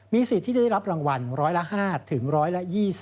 สิทธิ์ที่จะได้รับรางวัลร้อยละ๕ถึง๑๒๐